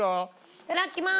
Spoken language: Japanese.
いただきます。